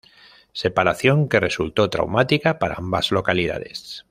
Separación que resultó traumática para ambas localidades.